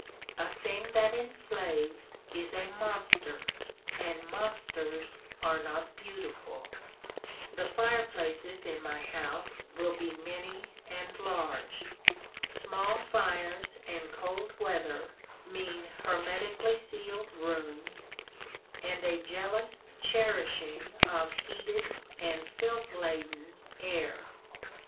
A thing that enslaves is a monster, and monsters are not beautiful. The fireplaces in my house will be many and large. Small fires and cold weather mean hermetically sealed rooms and a jealous cherishing of heated and filth laden air.